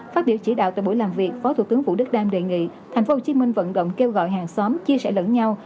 phát biểu chỉ đạo tại buổi làm việc phó thủ tướng vũ đức đam đề nghị thành phố hồ chí minh vận động kêu gọi hàng xóm chia sẻ lẫn nhau